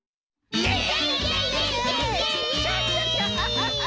イエイ。